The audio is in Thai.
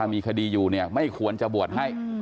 มีคดีอยู่ไม่ควรจะบวชให้